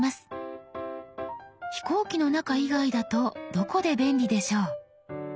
飛行機の中以外だとどこで便利でしょう？